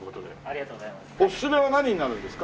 ありがとうございます。